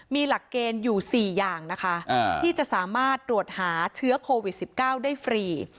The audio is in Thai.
มีหลักเกณฑ์อยู่๔อย่างนะคะที่จะสามารถตรวจหาเชื้อโควิด๑๙ได้ฟรี